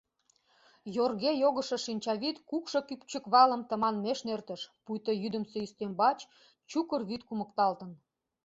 Йорге йогышо шинчавӱд кукшо кӱпчыквалым тыманмеш нӧртыш, пуйто йӱдымсӧ ӱстембач чукыр вӱд кумыкталтын.